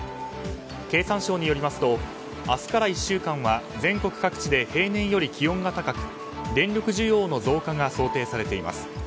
経産省によりますと明日から１週間は全国各地で平年より気温が高く電力需給の増加が想定されています。